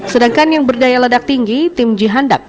sedangkan yang berdaya ledak tinggi tim ji handak